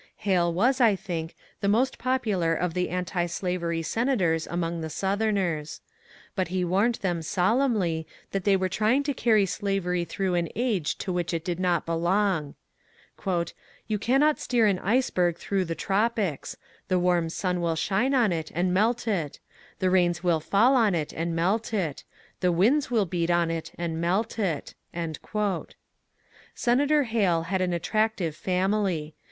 Hale was, I think, the most popular of the anti slavery senators among the Southerners. But he warned them solemnly that they were trying to carry slavery through an age to which it did not belong. ^^ You cannot steer an iceberg through the tropics. The warm sun will shine on it and melt it ; the rains will fall on it and melt it ; the winds will beat on it and melt it." Senator Hale had an attractive family.